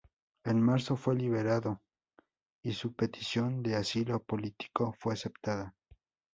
En marzo fue liberado y su petición de asilo político fue aceptada.